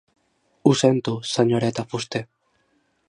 Ho sento, senyoreta Fuster.